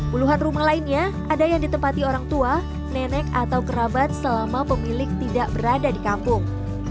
puluhan rumah lainnya ada yang ditempati orang tua nenek atau kerabat selama pemilik tidak berada di kampung